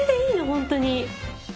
本当に。